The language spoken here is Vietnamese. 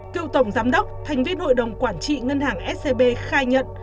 cựu tổng giám đốc thành viên hội đồng quản trị ngân hàng scb khai nhận